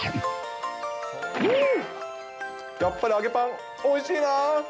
やっぱり揚げパン、おいしいな。